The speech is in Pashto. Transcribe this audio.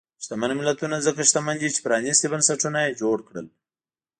شتمن ملتونه ځکه شتمن دي چې پرانیستي بنسټونه یې جوړ کړل.